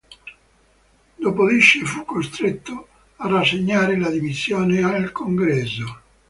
Dopodiché fu costretto a rassegnare le dimissioni al Congresso.